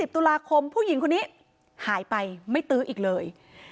ตุลาคมผู้หญิงคนนี้หายไปไม่ตื้ออีกเลย